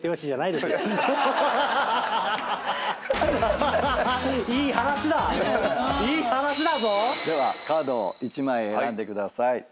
ではカードを１枚選んでください。